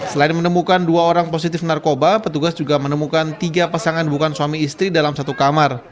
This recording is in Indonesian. selain menemukan dua orang positif narkoba petugas juga menemukan tiga pasangan bukan suami istri dalam satu kamar